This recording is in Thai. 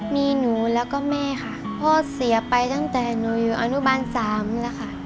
มีหนูแล้วก็แม่ค่ะพ่อเสียไปตั้งแต่หนูอยู่อนุบาล๓แล้วค่ะ